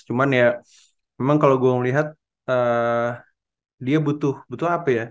cuman ya memang kalau gue ngeliat dia butuh butuh apa ya